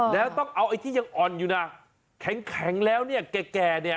แล้วต้องเอาไอ้ที่ยังอ่อนอยู่นะแข็งแล้วเนี่ยแก่เนี่ย